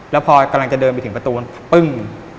แล้วพอกำลังจะเดินไปถึงประตูปึ้ง